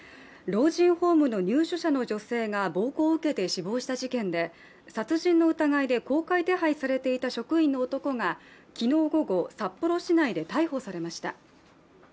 老人ホームの入所者の女性が暴行を受けて死亡した事件で殺人の疑いで公開手配されていた職員の男が昨日午後、札幌市内で逮捕されました。